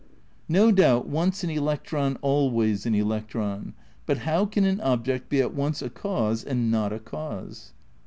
No doubt once an electron always an electron; but how can an object be at once a cause and not a cause